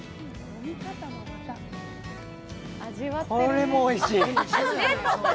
これもおいしい。